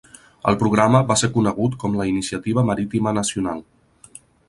El programa va ser conegut com la Iniciativa Marítima Nacional.